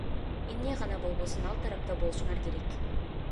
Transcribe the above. Эмне гана болбосун ал тарапта болушуңар керек.